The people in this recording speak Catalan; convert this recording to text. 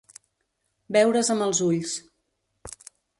Beure's amb els ulls.